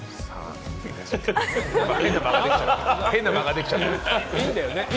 変な間ができちゃった。